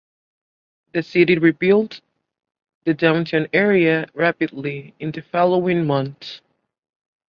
The city rebuilt the downtown area rapidly in the following months.